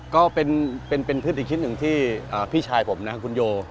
ก็เป็นเป็นเป็นพืชอีกชิ้นหนึ่งที่อ่าพี่ชายผมน่ะคุณโย